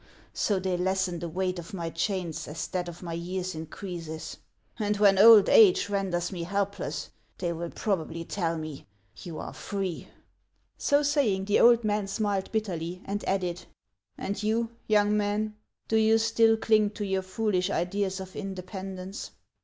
So they lessen the weight of my chains as that of my years increases; and when old age renders me helpless, they will probably tell me, ' You are free.' " So saying, the old man smiled bitterly, and added : "And you, young man, do you still cling to your foolish ideas of independence